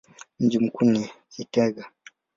Mji mkuu ni Gitega.